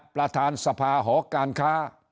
ประธานสภาหอการค้า